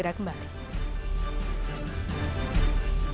ia menemukan pelayanan ke jepang